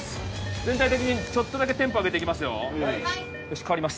全体的にちょっとだけテンポ上げていきますよよし代わります